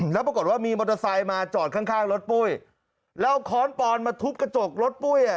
แล้วปรากฏว่ามีมอเตอร์ไซค์มาจอดข้างข้างรถปุ้ยแล้วเอาค้อนปอนมาทุบกระจกรถปุ้ยอ่ะ